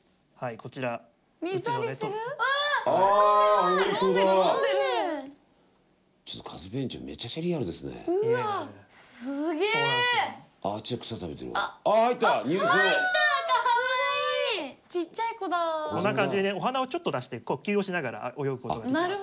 こんな感じでお鼻をちょっと出して呼吸をしながら泳ぐことができます。